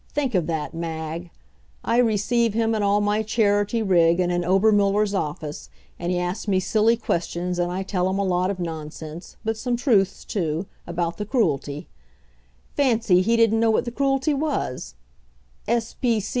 Think of that, Mag! I receive him all in my Charity rig, and in Obermuller's office, and he asks me silly questions and I tell him a lot of nonsense, but some truths, too, about the Cruelty. Fancy, he didn't know what the Cruelty was! S.